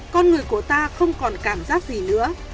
con người của ta không còn cảm giác gì nữa